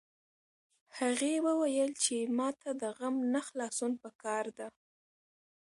هغې وویل چې ما ته د غم نه خلاصون په کار ده